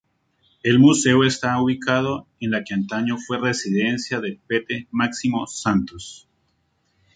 El museo está ubicado en la que antaño fue residencia del pete Máximo Santos.